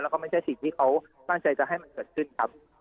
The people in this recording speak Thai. แล้วก็ไม่ใช่สิ่งที่เขาตั้งใจจะให้มันเกิดขึ้นครับ